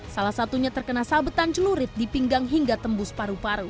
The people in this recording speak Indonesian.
salah satunya terkena sabetan celurit di pinggang hingga tembus paru paru